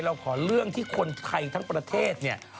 เราขอเรื่องที่คนไทยทั้งประเทศเนี่ย